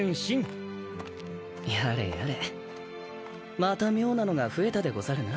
やれやれまた妙なのが増えたでござるな。